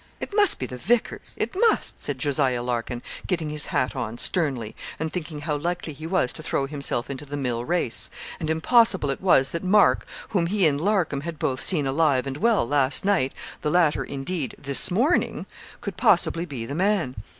'It must be the vicar's it must,' said Jos. Larkin, getting his hat on, sternly, and thinking how likely he was to throw himself into the mill race, and impossible it was that Mark, whom he and Larcom had both seen alive and well last night the latter, indeed, this morning could possibly be the man.